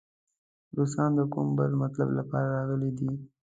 روسان د کوم بل مطلب لپاره راغلي دي.